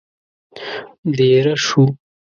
دېره شوو.